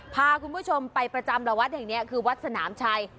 พาคุณผู้ชมไปประจำละวัดแห่งนี้คือวัดสนามชัย